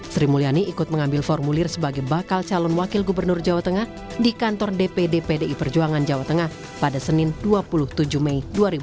sri mulyani ikut mengambil formulir sebagai bakal calon wakil gubernur jawa tengah di kantor dpd pdi perjuangan jawa tengah pada senin dua puluh tujuh mei dua ribu dua puluh